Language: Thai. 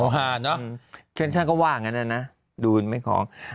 เพื่อนชั้นก็ว่างั้นอะนะดูนไม่ของ